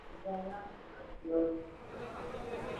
Zom Naawuni ashilo ni.